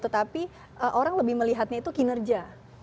tetapi orang lebih melihatnya itu kinerja